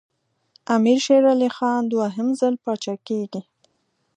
امیر شېر علي خان دوهم ځل پاچا کېږي.